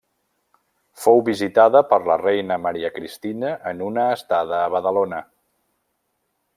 Fou visitada per la reina Maria Cristina en una estada a Badalona.